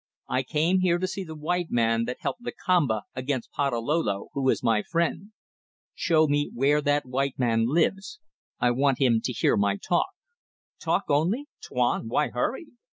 I came here to see the white man that helped Lakamba against Patalolo, who is my friend. Show me where that white man lives; I want him to hear my talk." "Talk only? Tuan! Why hurry?